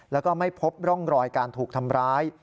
แล้วก็ไม่พบร่องรอยการถูกทำร้าย